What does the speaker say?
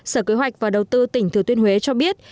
sở kế hoạch và đầu tư tỉnh thừa tuyên huế cho biết